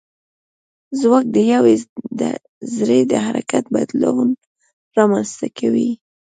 ځواک د یوې ذرې د حرکت بدلون رامنځته کوي.